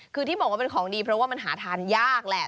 คือที่บอกว่าเป็นของดีเพราะว่ามันหาทานยากแหละ